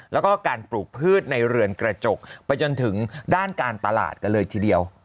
แล้วก็การปลูกพืชในเรือนกระจกไปจนถึงด้านการตลาดกันเลยทีเดียว